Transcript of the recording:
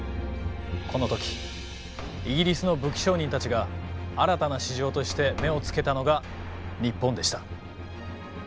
この時イギリスの武器商人たちが新たな市場として目をつけたのが日本でした。